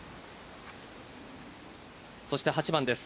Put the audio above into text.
そして８番です